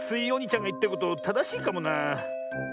おにちゃんがいってることただしいかもな。